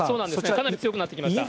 かなり強くなってきました。